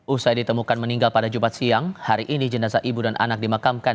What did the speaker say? usai ditemukan meninggal pada jumat siang hari ini jenazah ibu dan anak dimakamkan